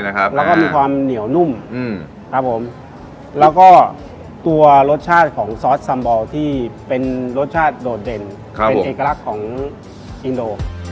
แล้วก็มีความเหนียวนุ่มครับผมแล้วก็ตัวรสชาติของซอสซัมบอลที่เป็นรสชาติโดดเด่นเป็นเอกลักษณ์ของอินโด